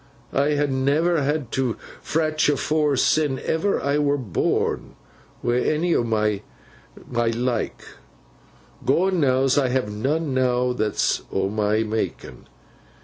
I ha' never had no fratch afore, sin ever I were born, wi' any o' my like; Gonnows I ha' none now that's o' my makin'.